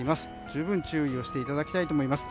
十分注意していただきたいです。